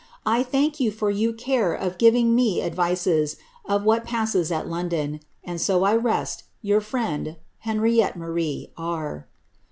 I thank yon for yoa care of geving me advises of what passes at London ; and soc I reste, ' Tour frand, " HsiraiBTTB MAmii R.